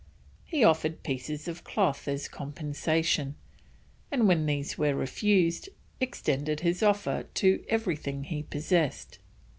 He offered pieces of cloth as compensation, and when these were refused, extended his offer to everything he possessed.